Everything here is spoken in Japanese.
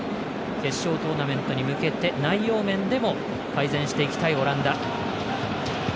決勝トーナメントに向けて内容面でも改善していきたいオランダ。